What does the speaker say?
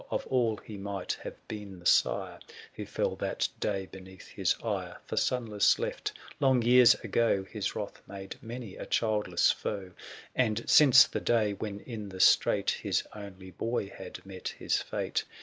755 Of all he might have been the sire Who fell that day beneath his ire : For, sonless left long years ago, His wrath made many a childless foe ; And since the day, when in the strait' • 760 His only boy had met his fate.